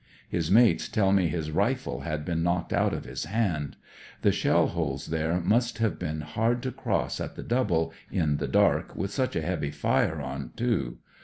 His mates tell me his rifle had been knocked out of his hand. The shell holes there must have been hard to cross at the double, in the dark, with such a heavy fire on, too.